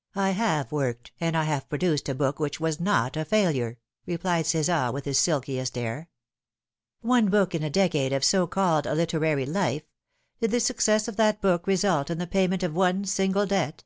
" I have worked, and I have produced a book which was not a failure," replied Csar, with his silkiest air. " One book in a decade of so called literary life ! Did the success of that book result in the payment of one single debt?"